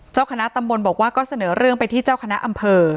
เจ้าคณะตำบลบอกว่าก็เสนอเรื่องไปที่เจ้าคณะอำเภอ